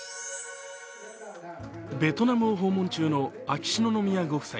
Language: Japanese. ベトナムを訪問中の秋篠宮ご夫妻。